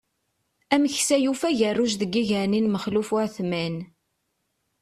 Ameksa yufa agerruj deg iger-nni n Maxluf Uεetman.